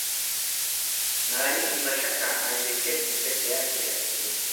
Mara nyingi Mashaka angeketi peke yake akilia